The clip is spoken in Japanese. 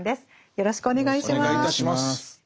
よろしくお願いします。